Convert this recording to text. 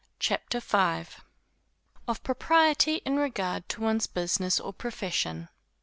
CHAPTER V. _Of propriety, in regard to one's business or profession.